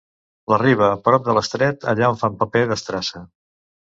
La Riba, prop de l'Estret, allà on fan paper d'estrassa.